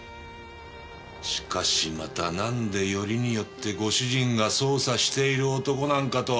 しかしまたなんでよりによってご主人が捜査している男なんかと。